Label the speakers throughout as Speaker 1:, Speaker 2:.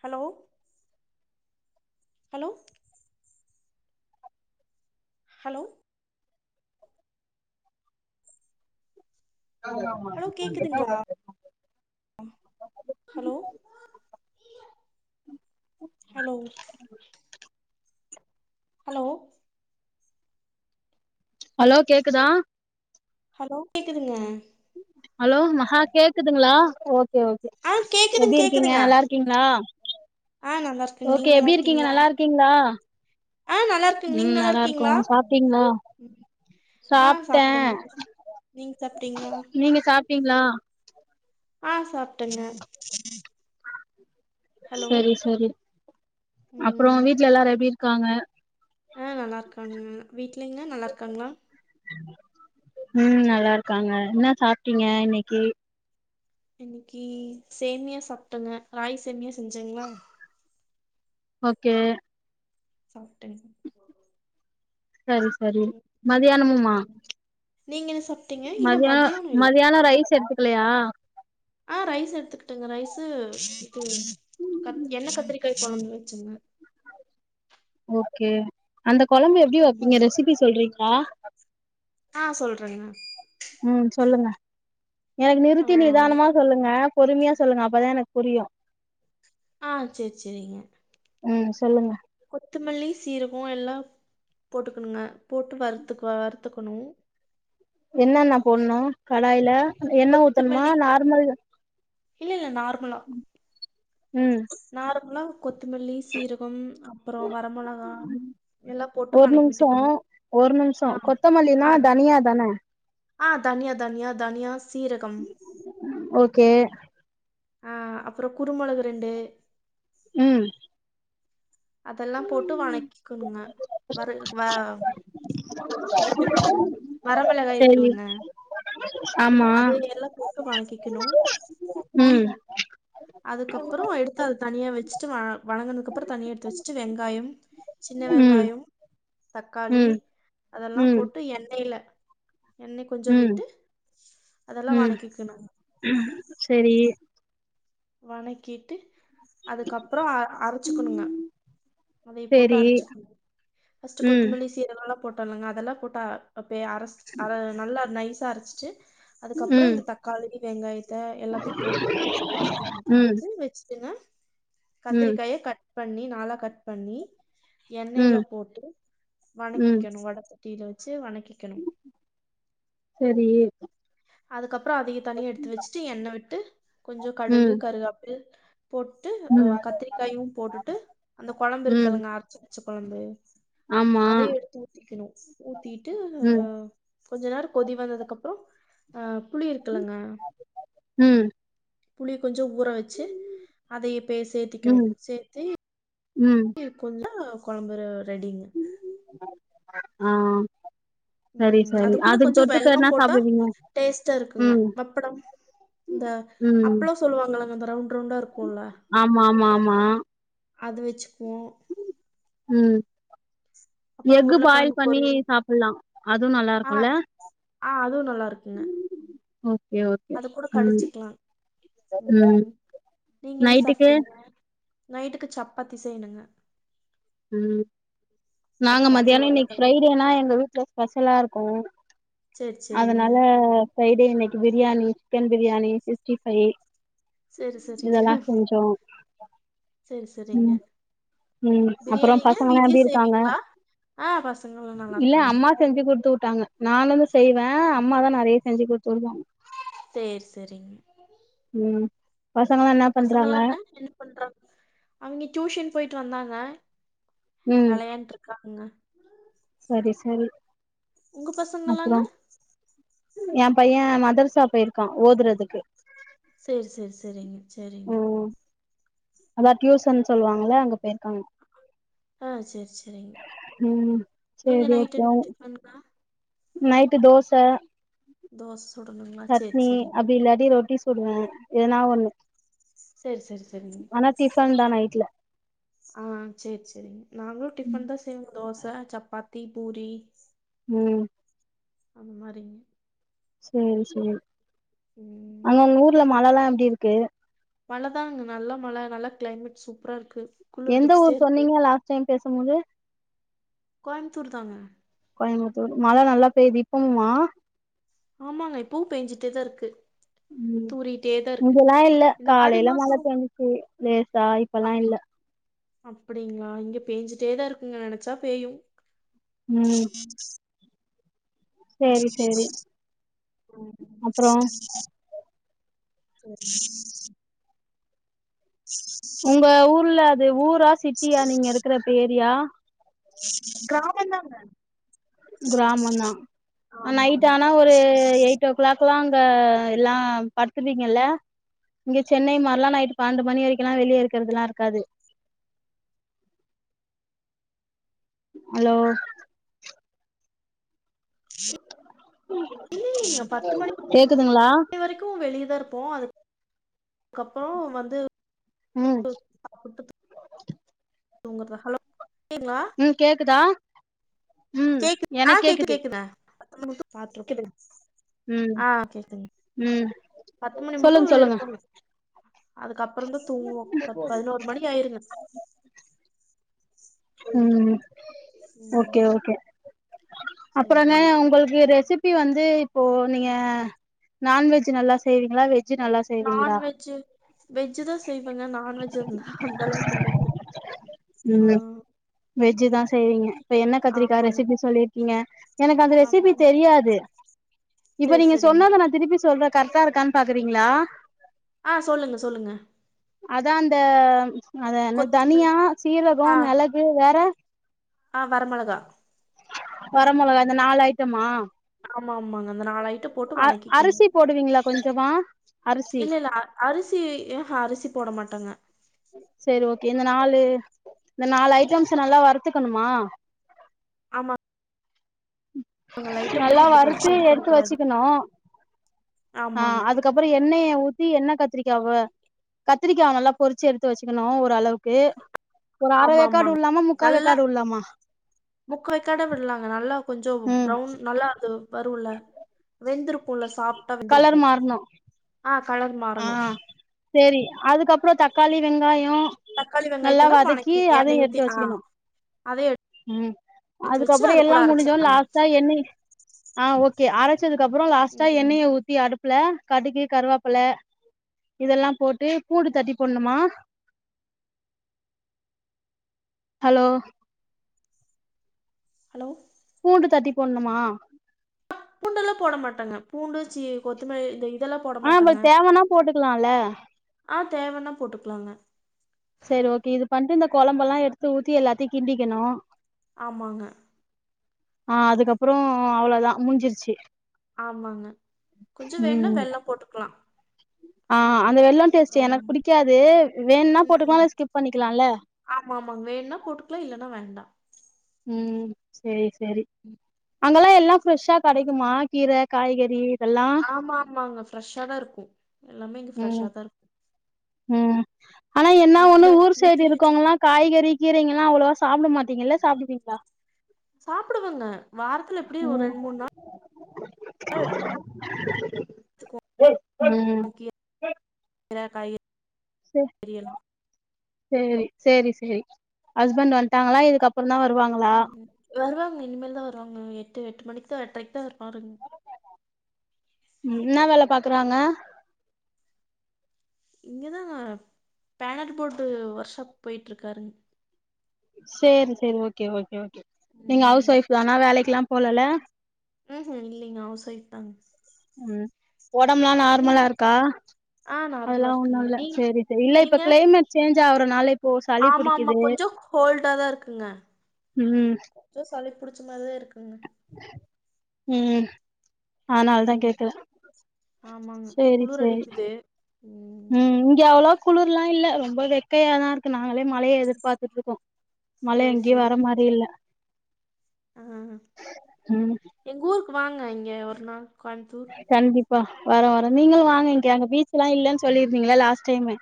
Speaker 1: Hello hello hello hello கேக்குதுங்களா hello hello hello
Speaker 2: hello கேக்குதா
Speaker 1: hello கேக்குதுங்க
Speaker 2: ஹலோ மஹா கேக்குதுங்ளா‌ ஓகே ஓகே
Speaker 1: ஆ கேக்குதுங்க
Speaker 2: எப்டி இருக்கீங்க
Speaker 1: கேக்குதுங்க
Speaker 2: நல்லாருக் கிங்ளா
Speaker 1: ஆ நல்லா இருக்குங்க நீங்க
Speaker 2: ஓகே
Speaker 1: நல்லா
Speaker 2: எப்டி இருக்கீங்க
Speaker 1: இருக்கீங்களா
Speaker 2: நல்லாருக்கீங்ளா
Speaker 1: ஆ நல்லா இருக்குங்க நீங்க
Speaker 2: ம்
Speaker 1: நல்லா இருக்கீங்களா
Speaker 2: நல்லாருக்கும் சாப்ட்டீங்ளா
Speaker 1: ஆ
Speaker 2: சாப்ட
Speaker 1: சாப்ட்டேங்க நீங்க சாப்ட்டீங்களா
Speaker 2: நீங்க சாப்டீங்ளா
Speaker 1: ஆ சாப்டேங்க
Speaker 2: செரி செரி அப்றோ
Speaker 1: ம்
Speaker 2: வீட்ல எல்லாரு எப்டி இருக்காங்க
Speaker 1: ஆ நல்லாருக்காங்க வீட்லங்ளா நல்லாருக்காங்ளா
Speaker 2: ம் நல்லா இருக்காங்க என்ன சாப்டீங்க இன்னைக்கு
Speaker 1: இன்னிக்கி சேமியா சாப்டங்க ராகி சேமியா செஞ்சல
Speaker 2: ஓகே
Speaker 1: சாப்டேங்க
Speaker 2: செரி செரி
Speaker 1: ம்
Speaker 2: மதியானமுமா
Speaker 1: ம் நீங்க என்ன சாப்
Speaker 2: மதியானோ மதியானோ ரைஸ் எடுத்துக்கலையா
Speaker 1: ஆ ரைஸ் எடுத்துக்கிட்டேங்க ரைஸ்சு இது கத் எண்ணெ கத்திரிக்காய் கொழம்பு‌ வச்சிந்த
Speaker 2: ஓகே அந்த கொழம்பு எப்டி வப்பீங்க
Speaker 1: ம்
Speaker 2: ரெசிபி சொல்றீங்ளா
Speaker 1: ஆ சொல்றேங்க
Speaker 2: ம் சொல்லுங்க ஏங்
Speaker 1: ஆ
Speaker 2: நிறுத்தி நிதானமா சொல்லுங்க பொறுமையா சொல்லுங்க அப்பதா எனக் புரியும்
Speaker 1: ஆ சேர் செரிங்
Speaker 2: ம் சொல்லுங்க
Speaker 1: கொத்தமல்லி சீரகோ எல்லா போட்டுக்கணுங்க போட்டு வறுத்துக் ஆ வறுத்துக்கணு
Speaker 2: என்னன்ன போன்னு கடாய்ல எண்ணெ ஊத்தணுமா
Speaker 1: கொத்தமல்லி
Speaker 2: நார்மல்
Speaker 1: இல்ல இல்ல நார்மலா
Speaker 2: ம்
Speaker 1: நார்மலா கொத்தமல்லி சீரகம் அப்பறம் வரமொளகா எல்லாம் போட்டு
Speaker 2: ஒரு
Speaker 1: வணக்கி
Speaker 2: நிமிஷோ
Speaker 1: விட்டுக்கணும்
Speaker 2: ஒரு நிமிஷோ
Speaker 1: ஆ
Speaker 2: கொத்தமல்லினா
Speaker 1: ஆ
Speaker 2: தனியா தான
Speaker 1: ஆ தன்யா தன்யா தனியா சீரகம்
Speaker 2: ஓகே
Speaker 1: ஆ அப்றோ குருமொளவு ரெண்டு
Speaker 2: ம்
Speaker 1: அதெல்லாம் போட்டு வணக்கிக்குணுங்க வறு வா அந்த இத போன்னு வரமிளகாய் இருக்குலங்க
Speaker 2: ஆம்மா
Speaker 1: போட்டு வனக்கிக்குனு
Speaker 2: ம்
Speaker 1: அதுக்கப்பறம் எடுத்து அது தனியா வெச்சுட்டு வா வணங்கனக்கு அப்புறம் தனியா எடுத்து வெச்சுட்டு வெங்காயம் சின்ன
Speaker 2: ம்
Speaker 1: வெங்காயம் தக்காளி
Speaker 2: ம்
Speaker 1: அதெல்லாம்
Speaker 2: ம்
Speaker 1: போட்டு எண்ணெய்ல எண்ணெ கொஞ்சோ
Speaker 2: ம்
Speaker 1: விட்டு அதெல்லா வணக்கிக்கனு
Speaker 2: ம் செரி
Speaker 1: வணக்கிட்டு அதுக்கப்றோ அ அரச்சுக்குனுங்க அதைய போட்டு
Speaker 2: செரி
Speaker 1: அரச்சுக்குனு ஃபர்ஸ்ட்டு
Speaker 2: ம்
Speaker 1: கொத்தமல்லி சீரகல்லா போட்டானுங்க அதெல்லா போட்டு கட்டியா அரச் நல்ல நைசா அரச்சிட்டு அதுக்கப்புறம்
Speaker 2: ம்
Speaker 1: இந்த தண் கால் இது வெங்காயத்த எல்லாத்தையு போட்டு
Speaker 2: ம்
Speaker 1: து வச்டுங்க
Speaker 2: ம்
Speaker 1: கத்திரிக்காய கட் பண்ணி நாலா கட் பண்ணி எண்ணெயில
Speaker 2: ம்
Speaker 1: போட்டு
Speaker 2: ம்
Speaker 1: வணக்கிக்கணு வட சட்டியில வச்சு வணக்கிக்கணு
Speaker 2: சரி
Speaker 1: அதுக்கப்புற அதிய தனியா எடுத்து வச்சுட்டு எண்ணெ விட்டு கொஞ்ச கடுகு
Speaker 2: ம்
Speaker 1: கருகாப்பில் போட்டு ஆ
Speaker 2: ம்
Speaker 1: கத்திரிக்காயு போட்டுட்டு அந்த கொழம்பு
Speaker 2: ம்
Speaker 1: இருக்குல்லங்க அரைச்சு வச்ச கொழம்பு
Speaker 2: ஆமா
Speaker 1: அதையு எடுத்து ஊத்திக்கணு ஊத்திட்டு
Speaker 2: ம்
Speaker 1: கொஞ்ச நேர கொதி வந்ததுக்கப்புற ஆ புளி இருக்குல்லங்க
Speaker 2: ம்
Speaker 1: புளி கொஞ்ச ஊற வச்சு அதைய இப்பே
Speaker 2: ம்
Speaker 1: சேத்திக்கணும் சேத்து
Speaker 2: ம்
Speaker 1: இ கொஞ்ச கொழம்பு ரெடிங்க
Speaker 2: ஆ சரி,
Speaker 1: ம்
Speaker 2: சரி.
Speaker 1: அதுக் கூட
Speaker 2: அதுக்கு
Speaker 1: கொஞ்ச
Speaker 2: தொட்டுக்க என்ன
Speaker 1: வெள்ளம் போட்டா
Speaker 2: சாப்பிடுவீங்க?
Speaker 1: டேஸ்ட்டா இருக்குங்க
Speaker 2: ம்,
Speaker 1: வப்படம் இந்த
Speaker 2: ம்.
Speaker 1: அப்பளோ சொல்லுவாங்கல்லங்க அந்த ரவுண்ட் ரவுண்டா இருக்குல்ல
Speaker 2: ஆமா ஆமா ஆமா
Speaker 1: அது வச்சுக்குவோ
Speaker 2: ம்
Speaker 1: அப்புறோ
Speaker 2: எக்கு
Speaker 1: உருளக்கெழங்கு
Speaker 2: பாயில் பண்ணி
Speaker 1: பொரியல்
Speaker 2: சாப்புல்லா அதுவு நல்லா
Speaker 1: ஆ
Speaker 2: இருக்குல்ல
Speaker 1: ஆ அதுவு நல்லா இருக்குங்க
Speaker 2: ஓகே, ஓகே.
Speaker 1: அத கூட
Speaker 2: ம்,
Speaker 1: கடிச்சிக்கலா ம் நீங்க என்ன
Speaker 2: நைட்டுக்கு?
Speaker 1: சாப்ட்டிங்க நைட்டுக்கு சப்பாத்தி செய்யணுங்க
Speaker 2: ம் நாங்க
Speaker 1: சப்பாத்தி
Speaker 2: மத்தியான இன்னைக்கு
Speaker 1: உருளக்கெழங்கு
Speaker 2: ஃப்ரைடேனா எங்க வீட்ல ஸ்பெஷலா இருக்கு
Speaker 1: சேரி சேரிங்க
Speaker 2: அதனால ஃப்ரைடே இன்னைக்கு biryani chicken biryani sixty five
Speaker 1: சேரி
Speaker 2: இதெல்லா செஞ்சோ
Speaker 1: செரி செரிங்க
Speaker 2: ம். அப்புறம்
Speaker 1: பிரியாணிங்க
Speaker 2: பசங்கலாம்
Speaker 1: வீட்லயே
Speaker 2: எப்டி இருக்காங்க?
Speaker 1: செய்வீங்களா ஆ பசங்கள்லா
Speaker 2: இல்ல
Speaker 1: நல்லாருக்காங்க
Speaker 2: அம்மா செஞ்சு குடுத்து விட்டாங்க நானுந்தா செய்வே
Speaker 1: ஆமா
Speaker 2: அம்மாதா நெறைய செஞ்சு குடுத்து விடுவாங்க
Speaker 1: சேரி சேரிங்க
Speaker 2: ம் பசங்கல்லா என்ன பண்றாங்க
Speaker 1: பசங்கல்லாங்க என்ன பண்றாங்க அவிங்க டியூஷன் போயிட்டு வந்தாங்க
Speaker 2: ம்
Speaker 1: வெளையான்ட்டு இருக்காங்க
Speaker 2: சரி சரி
Speaker 1: உங்க பசங்கல்லாங்க
Speaker 2: ஏ பைய மதர்ஸ் ஸா‌ போயிருக்கா ஓதுறதுக்கு
Speaker 1: சேரி சேரி சேரிங்க சேரிங்க
Speaker 2: ம் அதா டியூசன்னு சொல்லுவாங்கல்ல அங்க போயிருக்காங்க
Speaker 1: ஆ சேரி சேரிங்க
Speaker 2: ம்
Speaker 1: நீங்க
Speaker 2: சரி
Speaker 1: நைட்டு
Speaker 2: ஓகே
Speaker 1: என்ன டிஃபன்க்கா
Speaker 2: நைட்டு தோச
Speaker 1: தோச சுடணுங்களா சேரி
Speaker 2: சட்னி
Speaker 1: சேரிங்க
Speaker 2: அப்டி இல்லாட்டி ரொட்டி சுடுவ எதனா ஒண்ணு
Speaker 1: சேரி சேரி என்ற செரிங்க
Speaker 2: ஆனா டிஃபன் தா நைட்ல
Speaker 1: ஆ சேரி சேரங்க நாங்களு டிஃபன் தா செய்வோ தோச சப்பாத்தி பூரி
Speaker 2: ம்
Speaker 1: அந்த மாரிங்க
Speaker 2: சேரி சேரி
Speaker 1: ம்
Speaker 2: அங்க ஒங்க ஊர்ல மழல்லா எப்டிருக்கு
Speaker 1: மழ தாங்க நல்ல மழ நல்லா க்ளைமேட் சூப்பராருக்கு
Speaker 2: எந்த ஊர் சொன்னீங்க லாஸ்ட் டைம் பேசபோது
Speaker 1: கோயம்புத்தூர் தாங்க
Speaker 2: கோயமுத்தூரு மழ நல்லா பெய்யுது இப்பவுமா
Speaker 1: ஆமாங்க இப்பவு பேஞ்சிட்டேதாருக்கு
Speaker 2: ம் இங்கலா இல்ல
Speaker 1: இந்த ஆடி
Speaker 2: காலயில மழ
Speaker 1: மாசோ
Speaker 2: பேஞ்ச்சு லேசா இப்பலா இல்ல
Speaker 1: அப்பிடிங்ளா இங்க பேஞ்சிட்டேதாருக்கங்க நெனச்சா பேயு
Speaker 2: ம் சேரி சேரி அப்றோ
Speaker 1: ம் [inaudible] [inaudible]
Speaker 2: உங்க ஊர்ல அது ஊரா சிட்டியா நீங்க இருக்குறப்ப ஏரியா
Speaker 1: கிராமந்தாங்க
Speaker 2: கிராமந்தா அ
Speaker 1: ஆமாங்க
Speaker 2: நைட்டானா ஒரு எயிட்டோ களாக் அங்க எல்லா அங்க எல்லா படுத்துவீங்கல்ல இங்க சென்னை மார்லா நைட் பனெண்டு மணி வரைக்கிலா வெளியருக்கறதுலாருக்காது அலோ
Speaker 1: இல்லிலீங்க பத்து மணி
Speaker 2: கேக்குதுங்களா
Speaker 1: வரைக்கு வெளியதா இருப்போ அது அதுக்கப்ற வந்து
Speaker 2: ம்
Speaker 1: ட்டு [inaudible] தூங்கறதா ஹலோ இருக்கீங்களா
Speaker 2: ம் கேக்குதா ம்
Speaker 1: கேக் அ
Speaker 2: எனக்கு
Speaker 1: கேக்கு கேக்குது ஆ கேக்குது
Speaker 2: ம்
Speaker 1: அ கேக்குது
Speaker 2: ம்
Speaker 1: பத்து மணி
Speaker 2: சொல்லுங்க
Speaker 1: முட்டு
Speaker 2: சொல்லுங்க
Speaker 1: இருப்பங்க அதுக்கப்பறந்தா தூங்குவோ பத் பதினோரு மணி ஆயிருங்க
Speaker 2: ம் ஓகே
Speaker 1: ம்
Speaker 2: ஓகே அப்புறண்ண
Speaker 1: சரிங்க
Speaker 2: உங்குளுக்கு ரெசிப் பி வந்து இப்போ நீங்க ர நான்வெஜ்ஜி நல்லா செய்வீங்களா வெஜ்ஜி நல்லா செய்ள
Speaker 1: நான்வெஜ்ஜு வெஜ்ஜுதா செய்வாங்க நான்வெஜ்ஜு அந்தளவுக்கில்லீங்க ஆ
Speaker 2: வெஜ்ஜிதா செய்றீங்க இப்ப கத்திரிக்கா
Speaker 1: ஆமாங்க
Speaker 2: ரெசிபி சொல்லிறிக்கீங்க எனக்கு அந்த ரெசிபி
Speaker 1: ஆமாங்க
Speaker 2: தெரியாது இப்ப
Speaker 1: சரி
Speaker 2: நீங்க
Speaker 1: சரிங்க
Speaker 2: சொன்னத நா திருப்பி சொல்றே கர்ட்டா இருக்கா பாக்குறீங்களா
Speaker 1: அ சொல்லுங்க சொல்லுங்க
Speaker 2: அதா அந்த அத என்ன
Speaker 1: கொத்தமல்லி
Speaker 2: தனியா சீரகம் மிளகு வேற
Speaker 1: அ வரமிளகா
Speaker 2: வரமொளகா இந்த நாலயிட்டமா
Speaker 1: ஆமாமாங்க அந்த நாலயிட்ட
Speaker 2: அர் அரிசி போடுவீங்களா கொஞ்சமா அரிசி
Speaker 1: இல்ல இல்ல அ- அரிசி அஹ அரிசி போட மாட்டாங்க
Speaker 2: சேரி ஓகே இந்த நாலு இந்த நாலு ஐட்டம்ஸ நல்லா வரத்துக்கணுமா
Speaker 1: ஆமாங்
Speaker 2: நல்லா
Speaker 1: பாத்துக்கணு
Speaker 2: வறுத்து
Speaker 1: இது பண்ண
Speaker 2: எடுத்து
Speaker 1: கூடாது
Speaker 2: வச்சுக்குணு அ அது
Speaker 1: ஆமாங்க
Speaker 2: அதுக்கப்பறோ எண்ணெய ஊத்தி எண்ணக் கத்திரிக்காயவ கத்திரிக்கா நல்லா பொறிச்சு எடுத்து வச்சுக்கணு ஓரளவுக் து ஒரு அர
Speaker 1: ஆமா
Speaker 2: வேக்காடு
Speaker 1: ஆமாங்க
Speaker 2: உள்லாமா முக்கா வேக்காடு உள்லாமா
Speaker 1: முக்கா வேக்காட விட்லாங்க நல்லா கொஞ்சோ
Speaker 2: ம்
Speaker 1: ப்ரௌன் நல்லா அது வருல்ல வெந்துருக்குல்ல சாஃப்ட்டா
Speaker 2: கலர்
Speaker 1: வெந்துருக்கு
Speaker 2: மாறணு
Speaker 1: அ கலர்
Speaker 2: ஆ
Speaker 1: மாறணு
Speaker 2: சேரி அதுக்கப்றோ தக்காளி வெங்காயோ
Speaker 1: தக்காளி
Speaker 2: நல்லா
Speaker 1: வெங்காயத்தல்லா
Speaker 2: வதக்கி
Speaker 1: வணக்கி எண்ணெய
Speaker 2: அதையு
Speaker 1: ஊத்தி
Speaker 2: எடுத்து
Speaker 1: அ
Speaker 2: வச்சுக்கணு
Speaker 1: அதையு எட்
Speaker 2: ம் அதுக்கப்பறோ எல்லா முடிஞ்சோன
Speaker 1: அரைச்சிருவங்க
Speaker 2: லாஸ்ட்டா எண்ணைய ஆ ஓகே அரச்சதுக்கப்றோ லாஸ்டா
Speaker 1: ம்
Speaker 2: எண்ணெய ஊத்தி அடுப் புல கடுகு கருவப்புல இதெல்லா போட்டு பூண்டு தட்டி போட்ணுமா ஹலோ
Speaker 1: ஹலோ
Speaker 2: பூண்டு தட்டி போட்ணுமா
Speaker 1: பூண்டெல்லா போட மாட்டாங்க பூண்டு சி கொத்தமல்லி இதை
Speaker 2: ஆ நம்பளுக்கு தேவனா போட்டுக்லால்ல
Speaker 1: ஆ தேவன்னா போட்டுக்லாங்க
Speaker 2: செரி ஓகே இது பண்ட்டு இந்த கொழம்பல்லா எடுத்து ஊத்தி எல்லாத்தயு கிண்டிக்கணு
Speaker 1: ஆமாங்க
Speaker 2: ஆ அதுக்கப்றோ அவ்ளோதா முஞ்சிர்ச்சு
Speaker 1: ஆமாங்க கொஞ்ச வேண்ணா
Speaker 2: ம்
Speaker 1: வெல்லம் போட்டுக்கலா
Speaker 2: ஆ அந்த வெல்லோ டேஸ்ட் எனக்கு
Speaker 1: ம்
Speaker 2: புடிக்காது வேணுனா போட்டுக்கலா
Speaker 1: ம்
Speaker 2: அத ஸ்கிப் பண்ணிக்கலால்ல
Speaker 1: ஆமா ஆமாங்க வேண்ணா போட்டுக்கலா இல்லன்னா வேண்டா
Speaker 2: ம் சேரி சேரி
Speaker 1: ம்.
Speaker 2: அங்கல்லா எல்லா ஃப்ரெஷ்ஷா கெடைக்குமா கீர காய்கறி இதெல்லா
Speaker 1: ஆமா ஆமாங்க ஃப்ரெஷ்ஷா தா இருக்கு எல்லாமே இங்க
Speaker 2: ம்
Speaker 1: ஃப்ரெஷ்ஷா தா இருக்
Speaker 2: ம் ஆனா என்ன ஒண்ணு
Speaker 1: வீட்ல
Speaker 2: ஊர் சைடு
Speaker 1: வீட்லயே வச்சிருக்கோம்
Speaker 2: இருக்கோவுங்களா காய்கறி கீரைங்கெல்லா அவ்ளோவா சாப்புட மாட்டீங்கெல்ல சாப்புடுவீங்ளா
Speaker 1: சாப்டுவங்க வாரத்துல எப்டியு ஒரு
Speaker 2: ம்
Speaker 1: ரெண் மூண் நாள்
Speaker 2: ம்
Speaker 1: த்துக்கு கீ ர காய்கறி
Speaker 2: செர்
Speaker 1: எல்லாம்
Speaker 2: சேரி சேரி சேரி ஹஸ்பண்ட் வன்ட்டாங்களா இதுக்கப் றந்தா வருவாங்களா
Speaker 1: வருவாங்க இனிமேல் தா வருவாங்க எட்டு எட்டு மணிக்கு தா எட்ரைக்கு தா வருவாருங்
Speaker 2: ம் இன்ன வேல பாக்குறாங்க
Speaker 1: இங்க தாங்க பேனர்ட்டு போர்டு ஒர்க்ஷாப் போய்ட்ருக்காருங்
Speaker 2: சேர் சேரி ஓகே ஓகே ஓகே நீங்க ஹவுஸ்
Speaker 1: ம்
Speaker 2: ஒய்ஃப் தானா வேலைக்குல்லா போலல்ல
Speaker 1: உ ஹூம் இல்லிங்க ஹவுஸ் ஒய்ஃப் தாங்க
Speaker 2: ம் ஒடம்புலா
Speaker 1: நீங்க
Speaker 2: நார்மலா இருக்கா
Speaker 1: ஆ நார்மலா
Speaker 2: அதெல்லா ஒண்ணு
Speaker 1: இருக்குங்க
Speaker 2: இல்ல
Speaker 1: நீ
Speaker 2: சேரி சேரி இல்ல இப்ப
Speaker 1: நீங்க
Speaker 2: கிளைமேட் சேஞ்ச் ஆகுறனால இப்போ சளி
Speaker 1: ஆமா ஆமா
Speaker 2: புடிக்குது
Speaker 1: கொஞ்சோ ஹோல்ட தா இருக்குங்க
Speaker 2: ம்
Speaker 1: கொஞ்ச சளி புடிச்ச மாரிதா இருக்குங்க
Speaker 2: ம் ம் அதுனால
Speaker 1: ம்
Speaker 2: கேக்கல
Speaker 1: ஆமாங்க
Speaker 2: சேரி
Speaker 1: குளிர்
Speaker 2: சேரி
Speaker 1: அடிக்குது
Speaker 2: ம் இங்க அவ்ளோவா குளிர்லா இல்ல ரொம்ப வெக்கையா தா இருக்கு நாங்களே மழைய எதிர்பாத்துட்ருக்கோ மழை
Speaker 1: சேரி
Speaker 2: எங்கையு
Speaker 1: சேரி
Speaker 2: வர மாரி இல்ல
Speaker 1: ஆ
Speaker 2: ம்
Speaker 1: எங்க ஊர்க்கு வாங்க இங்க ஒரு நாள் கோயமுத்தூர்
Speaker 2: கண்டிப்பா வர வரன் நீங்களு வாங்க இங்க அங்க பீச்சல்லா இல்லன் சொல்லிருந்தீங்கள லாஸ்ட் டைமு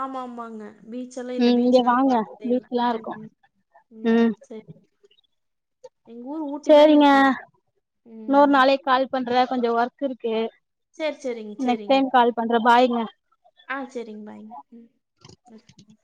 Speaker 1: ஆமா ஆமாங்க பீச்சல்லா இல்ல
Speaker 2: ம் இங்க
Speaker 1: பீச்ச நாங்க
Speaker 2: வாங்க
Speaker 1: பாத்ததே இல்ல
Speaker 2: பீச்லா
Speaker 1: ம்
Speaker 2: இருக்கு
Speaker 1: ம் ம் சரி எங்க ஊர் ஊட்டி மாரி
Speaker 2: சேரிங்க
Speaker 1: இருக்குங்க ம்
Speaker 2: பண்ற கொஞ்ச ஒர்க் இருக்கு
Speaker 1: சரி சரிங்க
Speaker 2: நெக்ஸ்ட்
Speaker 1: சரிங்க
Speaker 2: டைம் கால் பண்றே ஃபாய்ங்க
Speaker 1: ஆ செரிங்க பாய்ங்க ம் ம்